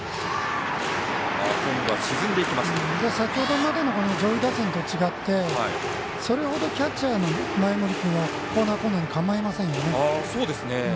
先ほどまでの上位打線とは違ってそれほどキャッチャーの前盛君はコーナーに構えませんね。